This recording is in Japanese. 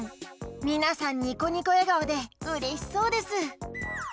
みなさんニコニコえがおでうれしそうです。